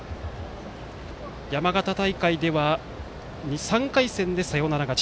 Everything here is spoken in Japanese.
山形大会では３回戦でサヨナラ勝ち。